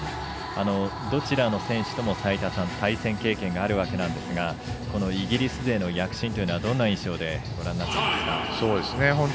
どちらの選手とも齋田さんは対戦経験があるわけなんですがこのイギリス勢の躍進というのはどんな印象でご覧になっていますか？